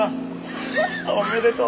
ハハおめでとう。